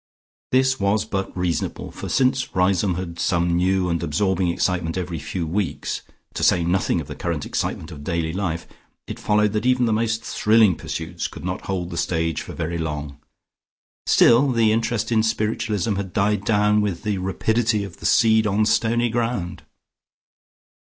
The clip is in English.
This was but reasonable, for since Riseholme had some new and absorbing excitement every few weeks, to say nothing of the current excitement of daily life, it followed that even the most thrilling pursuits could not hold the stage for very long. Still, the interest in spiritualism had died down with the rapidity of the seed on stony ground.